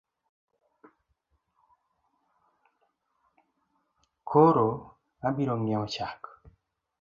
Koro abirong’iewo chak?